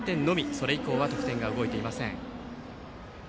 それ以降は得点が動いていません。